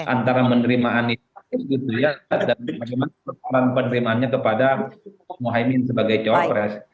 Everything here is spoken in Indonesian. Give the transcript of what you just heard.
antara menerimaan anies dan bagaimana peranan penerimaannya kepada muhammad haimin sebagai cowok pres